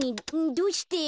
どうして？